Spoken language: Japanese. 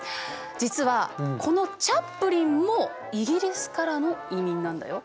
実はこのチャップリンもイギリスからの移民なんだよ。